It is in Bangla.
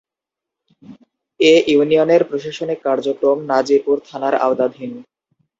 এ ইউনিয়নের প্রশাসনিক কার্যক্রম নাজিরপুর থানার আওতাধীন।